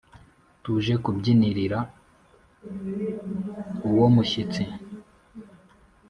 tuje kubyinirira uwo mushyitsi